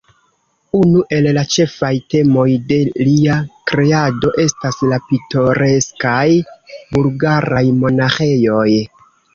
Unu el la ĉefaj temoj de lia kreado estas la pitoreskaj bulgaraj monaĥejoj.